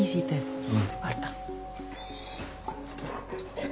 えっ？